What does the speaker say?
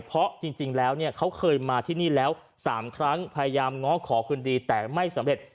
เพราะจริงแล้วเนี่ยเขาเคยมาที่นี่แล้ว๓ครั้งพยายามง้อขอคืนดีแต่ไม่สำเร็จ